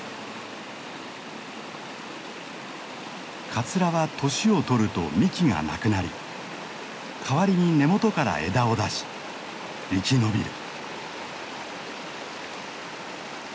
カツラは年をとると幹がなくなり代わりに根元から枝を出し生き延びる。